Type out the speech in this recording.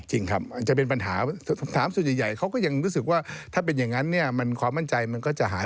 จริงครับอาจจะเป็นปัญหา๓ส่วนใหญ่เขาก็ยังรู้สึกว่าถ้าเป็นอย่างนั้นเนี่ยความมั่นใจมันก็จะหาย